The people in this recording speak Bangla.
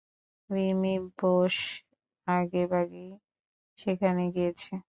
বিমি বোস আগেভাগেই সেখানে গিয়েছে।